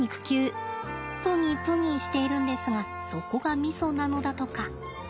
プニプニしているんですがそこがミソなのだとか。